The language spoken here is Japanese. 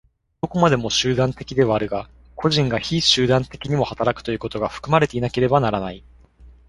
どこまでも集団的ではあるが、個人が非集団的にも働くということが含まれていなければならない。